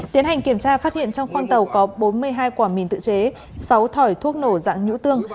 tiến hành kiểm tra phát hiện trong khoang tàu có bốn mươi hai quả mìn tự chế sáu thỏi thuốc nổ dạng nhũ tương